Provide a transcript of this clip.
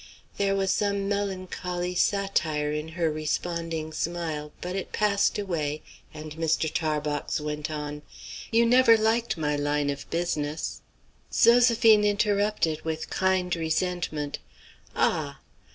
There was some melancholy satire in her responding smile; but it passed away, and Mr. Tarbox went on: "You never liked my line of business" Zoséphine interrupted with kind resentment: "Ah!"